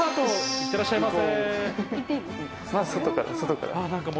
いってらっしゃいませ。